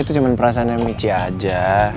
ya itu cuman perasaannya michi aja